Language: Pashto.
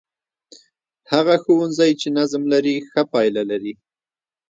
هغه ښوونځی چې نظم لري، ښه پایله لري.